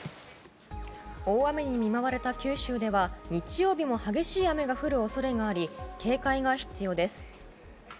大雨に見舞われた九州では日曜日も激しい雨が降る恐れがあり警戒が必要です。